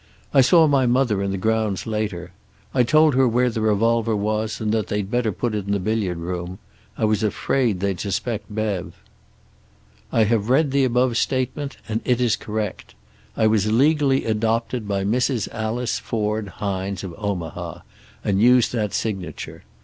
I saw my mother in the grounds later. I told her where the revolver was and that they'd better put it in the billiard room. I was afraid they'd suspect Bev. "I have read the above statement and it is correct. I was legally adopted by Mrs. Alice Ford Hines, of Omaha, and use that signature.